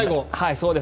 そうです。